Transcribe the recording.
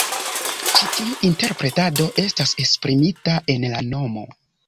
Ĉi tiu interpretado estas esprimita en la nomo.